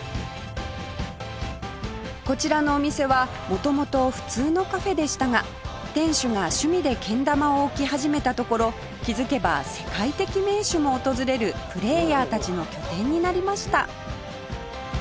こちらのお店は元々普通のカフェでしたが店主が趣味でけん玉を置き始めたところ気づけば世界的名手も訪れるプレーヤーたちの拠点になりました